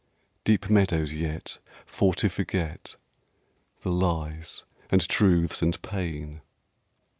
Deep meadows yet, for to forget The lies, and truths, and pain?...